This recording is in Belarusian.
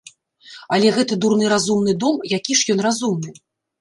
Але гэты дурны разумны дом, які ж ён разумны?